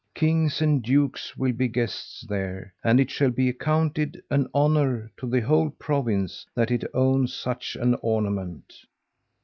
Kings and dukes will be guests there, and it shall be accounted an honour to the whole province, that it owns such an ornament.'